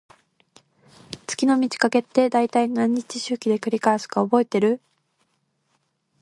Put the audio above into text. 月の満ち欠けって、だいたい何日周期で繰り返すか覚えてる？